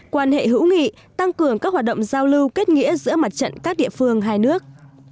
quan hệ hữu nghị tăng cường các hoạt động giao lưu kết nghĩa giữa mặt trận các địa phương hai nước